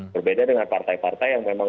berbeda dengan partai partai yang kemudian itu